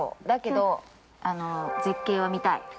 だけど、絶景は、見たい。